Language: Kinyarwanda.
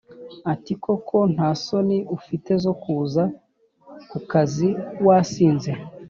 ati koko nta soni ufite zo kuza ku kazi wasinze?